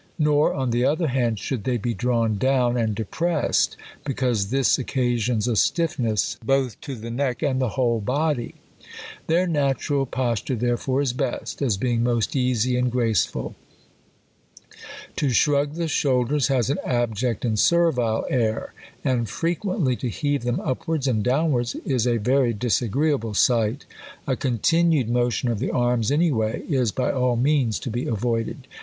Nor, on the other hand, should they be drawn down and depressed ; because this occasions a stiiihess both to the neck and the whole body. Their natural pos ture therefore is best, as being most easy and grace ful. To shrug the shoulders has an abject and servile air ; and fi equently to heave them upwards and down wards is a very disagr(jeable sight. A continued mo tion of the arms any way, is by all means to be avoid ed.